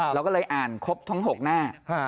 เราก็เลยอ่านครบทั้ง๖หน้า